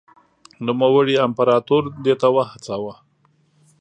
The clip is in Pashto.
نوموړي امپراتور دې ته وهڅاوه.